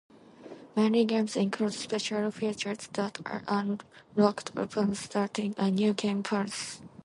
Many games include special features that are unlocked upon starting a New Game Plus.